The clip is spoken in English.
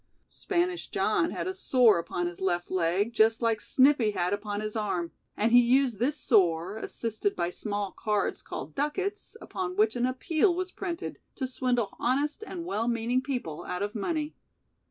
Spanish John had a sore upon his left leg just like Snippy had upon his arm, and he used this sore, assisted by small cards called "duckets", upon which an "appeal" was printed, to swindle honest and well meaning people out of money.